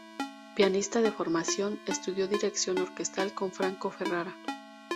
Pianista de formación, estudió dirección orquestal con Franco Ferrara.